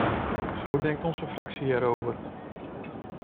Zo denkt onze fractie erover.